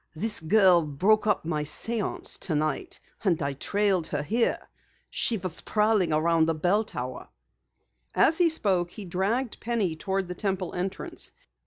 "This girl broke up my séance tonight, and I trailed her here. She was prowling around the bell tower." As he spoke, he dragged Penny toward the Temple entrance.